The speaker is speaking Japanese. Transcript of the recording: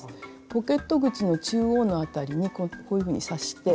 ポケット口の中央の辺りにこういうふうに刺して。